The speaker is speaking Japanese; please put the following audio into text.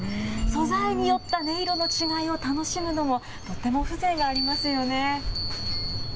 素材によった音色の違いを楽しむのも、とても風情がありますよね。